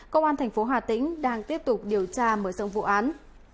công an thành phố hà tĩnh đang tiếp tục điều tra mở rộng vụ án